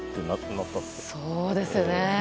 そうですね。